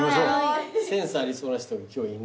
センスありそうな人が今日いない。